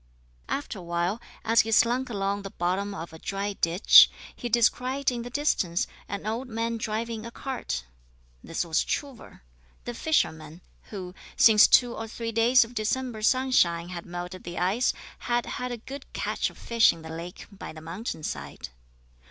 After a while, as he slunk along the bottom of a dry ditch, he descried in the distance an old man driving a cart. This was Truvor, the fisherman, who, since two or three days of December sunshine had melted the ice, had had a good catch of fish in the lake by the mountain side.